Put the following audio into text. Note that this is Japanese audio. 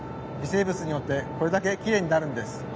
微生物によってこれだけきれいになるんです。